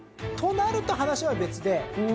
となると話は別で。